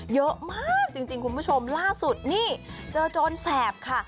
เยอะมากจริงคุณผู้ชมล่าสุดนี่เจอโจรแสบค่ะ